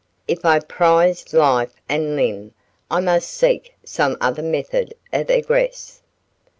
If I prized life and limb I must seek some other method of egress.